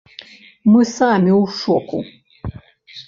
Мы самі ў шоку.